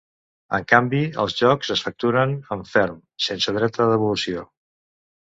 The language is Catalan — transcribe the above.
En canvi, els jocs es facturen en ferm, sense dret a devolució.